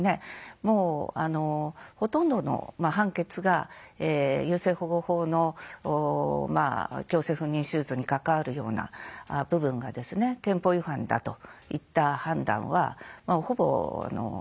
もうほとんどの判決が優生保護法の強制不妊手術に関わるような部分がですね憲法違反だといった判断はほぼ定着したと思うんですよね。